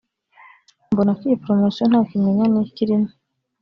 mbona ko iyi promosiyo nta kimenyane kirimo